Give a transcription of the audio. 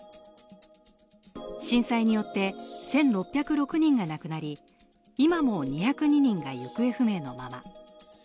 震災によって１６０６人が亡くなり、今も２０２人が行方不明のまま。